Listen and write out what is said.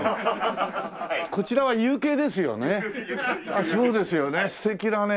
あっそうですよね素敵だね。